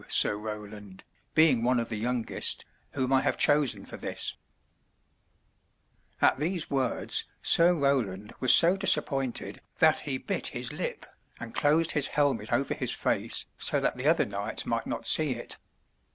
Sir Roland, being one of the youngest, whom I have chosen for this." 205 MY BOOK HOUSE At these words Sir Roland was so dis appointed that he bit his lip, and closed his helmet over his face so that the other knights might not see it.